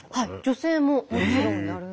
女性ももちろんやる。